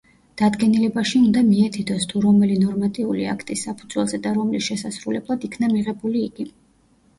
დადგენილებაში უნდა მიეთითოს, თუ რომელი ნორმატიული აქტის საფუძველზე და რომლის შესასრულებლად იქნა მიღებული იგი.